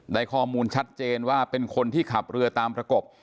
ได้ข้อมูลชัดเจนว่าเป็นคนที่ขับเรือตามประกบ